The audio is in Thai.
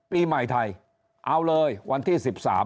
ปีใหม่ไทยเอาเลยวันที่๑๓